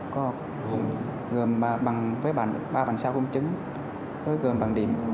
có gồm bằng với ba bản sao công chứng gồm bằng điểm